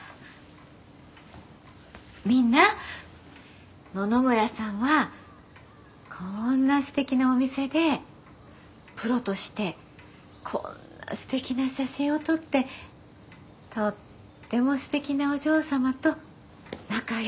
みんな野々村さんはこんなすてきなお店でプロとしてこんなすてきな写真を撮ってとってもすてきなお嬢様と仲よく暮らしてます。